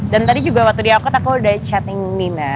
dan tadi juga waktu diangkot aku udah chatting nina